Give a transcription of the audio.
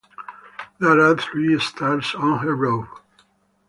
There are three stars on her robe.